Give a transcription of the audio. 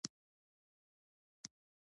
زده کوونکي به دریو ډلو وویشل شي په پښتو ژبه.